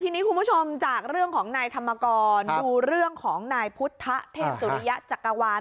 ทีนี้คุณผู้ชมจากเรื่องของนายธรรมกรดูเรื่องของนายพุทธเทพสุริยะจักรวาล